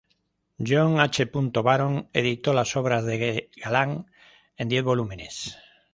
John H. Baron editó las obras de Galán en diez volúmenes.